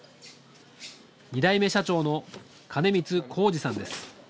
２代目社長の金光浩二さんです。